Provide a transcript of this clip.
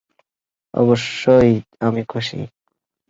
অবশ্যই আমি খুশি।